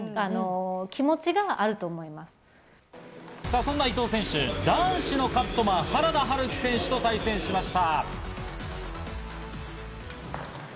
そんな伊藤選手、男子のカットマン、原田春輝選手と対戦しました。